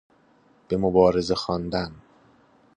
به مبارزه خواندن